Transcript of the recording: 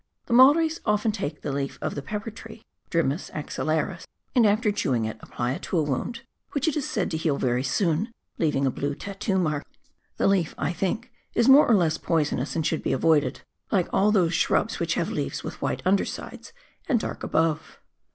The Maoris often take the leaf of the pepper tree {Drhnys axillaris), and after chewing it, apply it to a wound, which it is said to heal very soon, leaving a blue tattoo mark. The leaf, I think, is more or less poisonous, and should be avoided, like all those shrubs which have leaves with white undersides and dark above.